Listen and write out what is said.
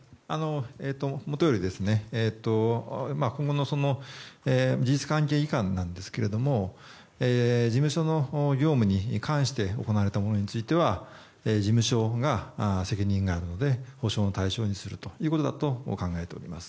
元より今後の事実関係いかんなんですけれども事務所の業務に関して行われたものについては事務所に責任があるので補償の対象にするということだと考えております。